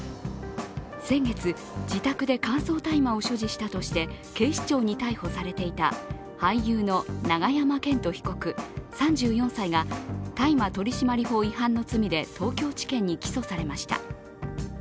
先月、自宅で乾燥大麻を所持したとして警視庁に逮捕されていた俳優の永山絢斗被告、３４歳が大麻取締法違反の罪で東京地検に起訴されました。